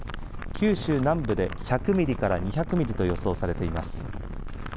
九州南部で１００ミリから２００ミリと予想されています。